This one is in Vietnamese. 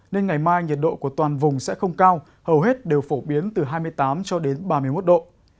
nên ngày mai nhiệt độ của toàn vùng sẽ không cao hầu hết đều phổ biến từ hai mươi tám cho đến ba mươi một độ